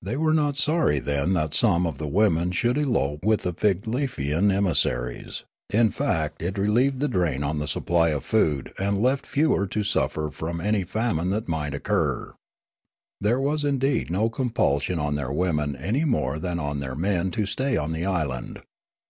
They were not sorry then that some of the women should elope with the Figlefian emissaries ; I70 Riallaro in fact it relieved the drain on the supply of food and left fewer to suffer from any famine that might occur. There was indeed no compulsion on their women any more than on their men to stay on the island.